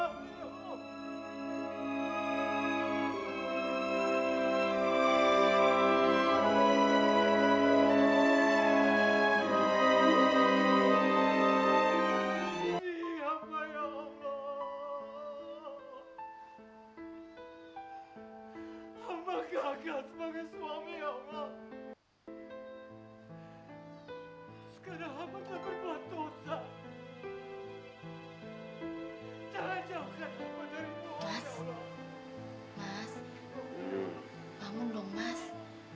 r audio kamu sudah gini